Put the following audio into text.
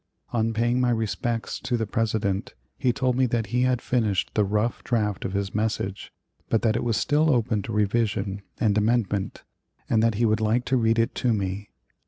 On paying my respects to the President, he told me that he had finished the rough draft of his message, but that it was still open to revision and amendment, and that he would like to read it to me.